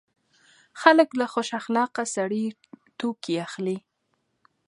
خلک له خوش اخلاقه سړي توکي اخلي.